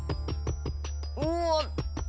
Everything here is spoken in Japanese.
うわっ。